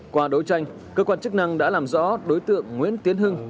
qua đấu tranh cơ quan chức năng đã làm rõ đối tượng nguyễn tiến hưng